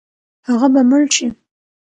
هغه به مړ شي.